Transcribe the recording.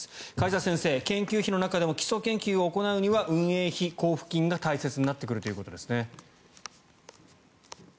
梶田先生、研究費の中でも基礎研究を行うには運営費交付金が大切になってくるということですね。